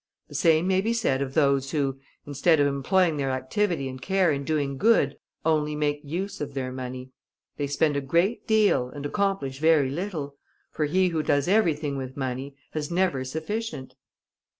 The same may be said of those who, instead of employing their activity and care in doing good, only make use of their money. They spend a great deal, and accomplish very little; for he who does everything with money, has never sufficient."